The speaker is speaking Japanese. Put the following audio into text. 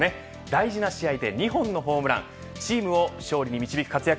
大事な試合で２本のホームランチームを勝利に導く活躍